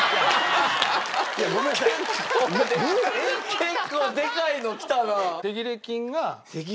結構でかいのきたなあ。